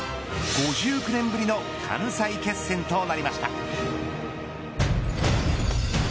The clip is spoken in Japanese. ５９年ぶりの関西決戦となりました。